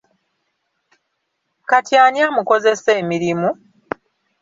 kati ani amukozesa emirimu?